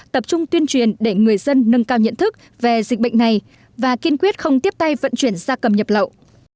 tập trung tuyên truyền để người dân nâng cao nhận thức về dịch bệnh này và kiên quyết không tiếp tay vận chuyển gia cầm nhập lậu